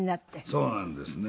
そうなんですね。